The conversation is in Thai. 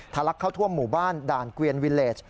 ลักเข้าท่วมหมู่บ้านด่านเกวียนวิเลส